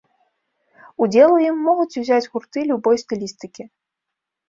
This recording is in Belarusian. Удзел у ім могуць узяць гурты любой стылістыкі.